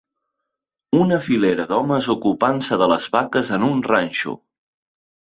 Una filera d'homes ocupant-se de les vaques en un ranxo.